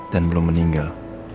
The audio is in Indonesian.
dan belum meninggal